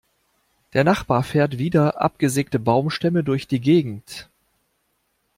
Der Nachbar fährt wieder abgesägte Baumstämme durch die Gegend.